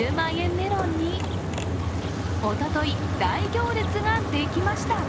メロンにおととい、大行列ができました。